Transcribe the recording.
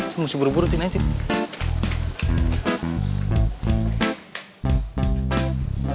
semua si buru buru tin aja